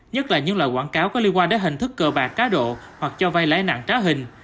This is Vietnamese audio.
nhất là những loại quảng cáo có liên quan đến hình thức cờ bạc cá độ hoặc cho vay lãi nặng trá hình